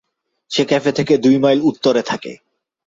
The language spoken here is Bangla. সে ক্যাফে থেকে দুই মাইল উত্তরে থাকে।